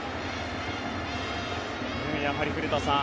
やはり古田さん